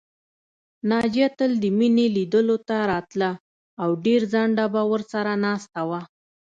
ناجیه تل د مينې لیدلو ته راتله او ډېر ځنډه به ورسره ناسته وه